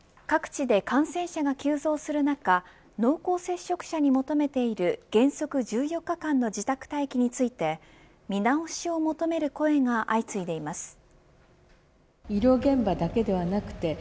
各地で感染者が急増する中濃厚接触者に求めている原則１４日間の自宅待機について見直しを求める声が相次いでいます。